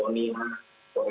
dan kemudian administrasi